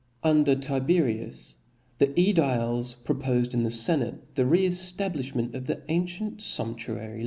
Under Tiberius, the ^diles propofcd in the Se nate, the reeftablifhment of th^ ancient fumptviary laws.